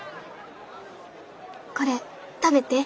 これ食べて。